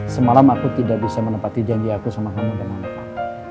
semalam aku tidak bisa menepati janji aku sama kamu dengan pak